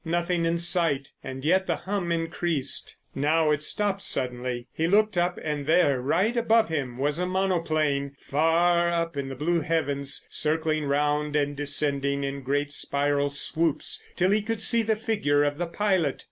Nothing in sight, and yet the hum increased. Now it stopped suddenly. He looked up, and there, right above him, was a monoplane, far up in the blue heavens, circling round and descending in great spiral swoops till he could see the figure of the pilot.